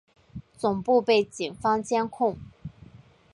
总部被警方监控。